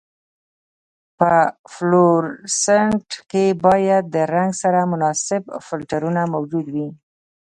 په فلورسنټ کې باید د رنګ سره مناسب فلټرونه موجود وي.